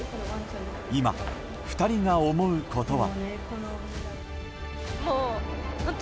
今、２人が思うことは。